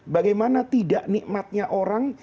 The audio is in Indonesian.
bagaimana tidak nikmatnya orang